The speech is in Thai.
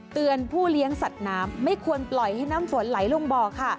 ผู้เลี้ยงสัตว์น้ำไม่ควรปล่อยให้น้ำฝนไหลลงบ่อค่ะ